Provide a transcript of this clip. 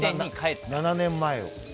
７年前を。